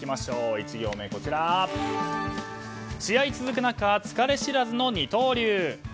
１行目試合続く中、疲れ知らずの二刀流。